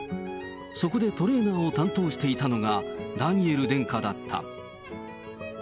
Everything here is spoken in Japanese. そこでトレーナーを担当していたのがダニエル殿下だった。